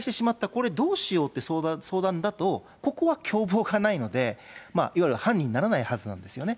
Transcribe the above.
これどうしようって相談だと、ここは共謀がないので、いわゆる犯人にならないはずなんですよね。